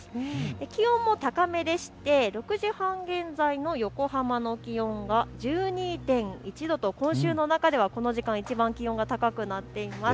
気温も高めでして６時半現在の横浜の気温が１２．１度と今週の中ではこの時間、いちばん気温が高くなっています。